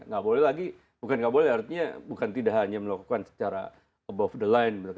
nggak boleh lagi bukan nggak boleh artinya bukan tidak hanya melakukan secara above the line